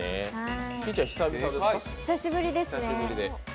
久しぶりですね。